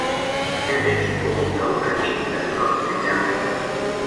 Fer més por que una nit de trons i llamps.